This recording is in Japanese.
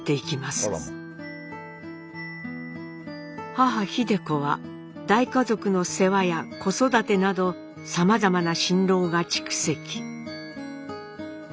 母秀子は大家族の世話や子育てなどさまざまな心労が蓄積。